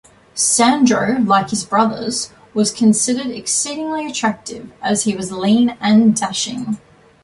Sandro, like his brothers, was considered exceedingly attractive, as he was lean and dashing.